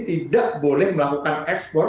tidak boleh melakukan ekspor